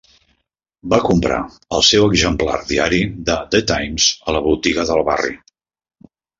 Va comprar el seu exemplar diari de "The Times" a la botiga del barri